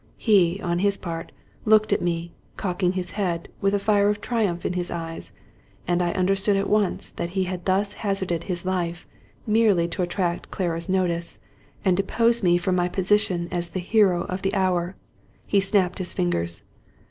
He, on his part, looked at me, cocking his head, with a fire of triumph in his eyes; and I understood at once that he had thus hazarded his life, merely to attract Clara's notice, and depose me from my position as the hero of the hour. He snapped his fingers.